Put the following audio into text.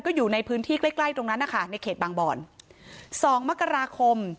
อยู่ในพื้นที่ใกล้ใกล้ตรงนั้นนะคะในเขตบางบอนสองมกราคม